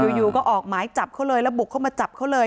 อยู่ก็ออกหมายจับเขาเลยแล้วบุกเข้ามาจับเขาเลย